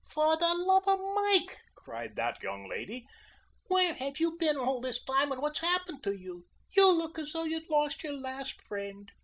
"For the love of Mike!" cried that young lady, "where have you been all this time, and what's happened to you? You look as though you'd lost your last friend."